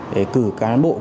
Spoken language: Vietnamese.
để cử cán bộ